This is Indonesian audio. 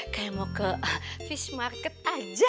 kayak mau ke fish market aja